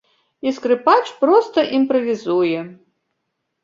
І скрыпач проста імправізуе.